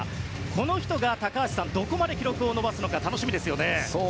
この人が高橋さん、どこまで記録を伸ばすのか楽しみですね。